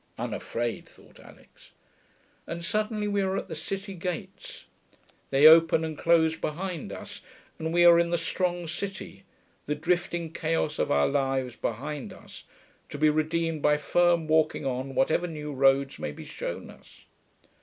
Unafraid, thought Alix); and suddenly we are at the city gates; they open and close behind us, and we are in the strong city, the drifting chaos of our lives behind us, to be redeemed by firm walking on whatever new roads may be shown us.